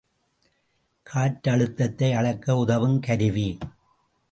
காற்றழுத்தத்தை அளக்க உதவுங் கருவி.